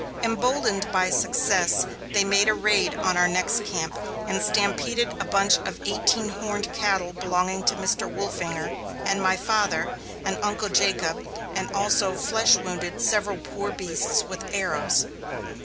Emboldened by success, they made a raid on our next camp and stampeded a bunch of eighteen horned cattle belonging to Mr. Wolfinger and my father and Uncle Jacob, and also flesh wounded several poor beasts with arrows.